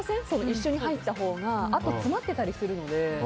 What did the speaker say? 一緒に入ったほうがあとが詰まってたりするので。